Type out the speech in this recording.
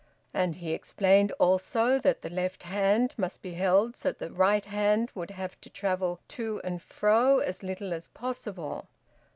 And he explained also that the left hand must be held so that the right hand would have to travel to and fro as little as possible.